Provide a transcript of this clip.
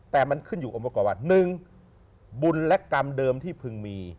แต่มันขึ้นอยู่อุปกรณ์ว่า๑บุญและกรรมเดิมที่เพิ่งมี